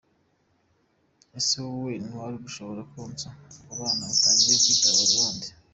Ese wowe ntawari gushobora kunsaba ko tubana utagiye kwitabaza abandi?”.